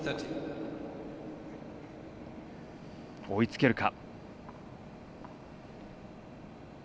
追いつけるか。